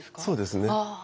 そうですね。